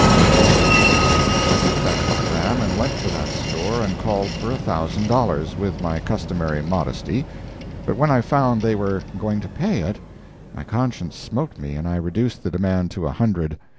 D.N." I took that telegram and went to that store and called for a thousand dollars, with my customary modesty; but when I found they were going to pay it, my conscience smote me and I reduced the demand to a hundred.